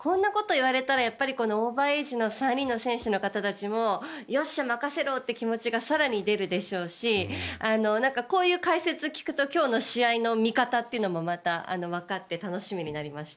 やっぱりこのオーバーエイジの３人の選手たちもよっしゃ任せろって気持ちが更に出るでしょうしこういう解説を聞くと今日の試合の見方っていうのもまたわかって楽しみになりました。